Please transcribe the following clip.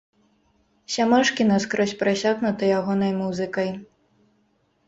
Сямашкі наскрозь прасякнута ягонай музыкай.